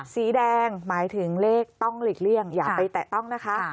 สีแดงหมายถึงเลขต้องหลีกเลี่ยงอย่าไปแตะต้องนะคะ